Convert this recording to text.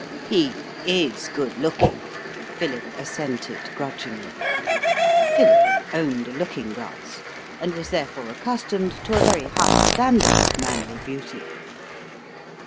"He IS good looking," Philip assented grudgingly. Philip owned a looking glass, and was therefore accustomed to a very high standard of manly beauty.